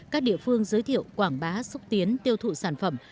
các địa phương giới thiệu quảng bá xúc tiến tiêu thụ sản phẩm